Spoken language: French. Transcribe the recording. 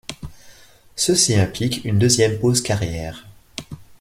Ceci implique une deuxième pause-carrière.